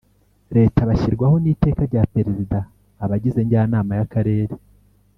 Leta bashyirwaho n Iteka rya Perezida Abagize njyanama ya karere